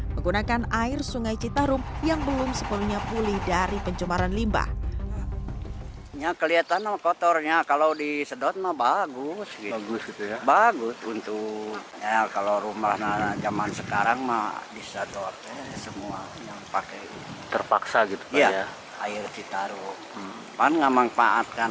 menggunakan air sungai citarum yang belum sepenuhnya pulih dari pencemaran limba